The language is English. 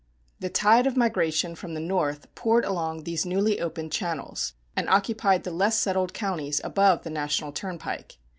The tide of migration from the North poured along these newly opened channels, and occupied the less settled counties above the national turnpike.